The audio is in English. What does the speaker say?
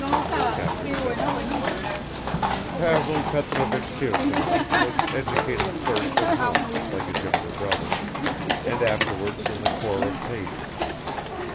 Chapter 7 PAVEL PETROVICH KIRSANOV WAS EDUCATED FIRST AT HOME, LIKE his younger brother, and afterwards in the Corps of Pages.